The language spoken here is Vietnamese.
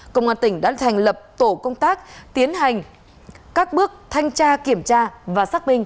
công an tỉnh đã thành lập tổ công tác tiến hành các bước thanh tra kiểm tra và xác minh